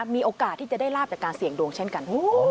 มีโอกาสที่จะได้ลาบจากการเสี่ยงดวงเช่นกัน